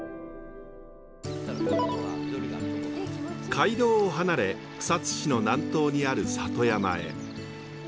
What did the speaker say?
街道を離れ草津市の南東にある里山へ。